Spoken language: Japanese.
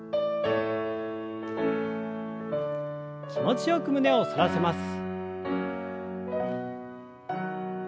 気持ちよく胸を反らせます。